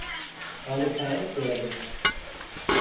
आलु खाएर पेडाको धाक